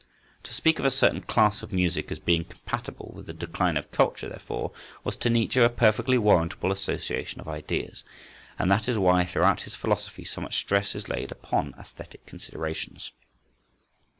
To speak of a certain class of music as being compatible with the decline of culture, therefore, was to Nietzsche a perfectly warrantable association of ideas, and that is why, throughout his philosophy, so much stress is laid upon æsthetic considerations.